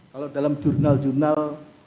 kalau dalam jurnal jurnal